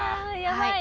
はい。